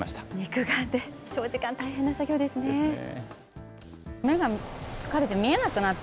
長時間大変な作業ですね。